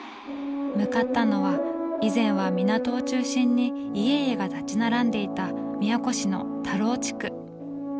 向かったのは以前は港を中心に家々が立ち並んでいた宮古市の田老地区。